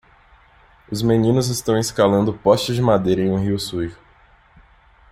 Os meninos estão escalando postes de madeira em um rio sujo.